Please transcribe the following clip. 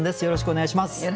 よろしくお願いします。